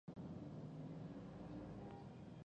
هـغـه بـادارنـو بـانـدې يـې تکيـه کـوي.